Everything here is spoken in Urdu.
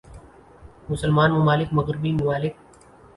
مسلمان ممالک مغربی ممالک